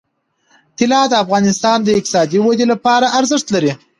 طلا د افغانستان د اقتصادي ودې لپاره ارزښت لري.